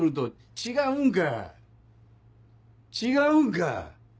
違うんか！